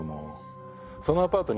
そのアパート